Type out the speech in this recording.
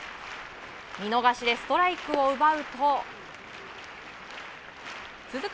見逃しでストライクを奪うと続く